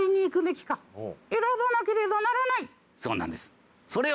そうなんです。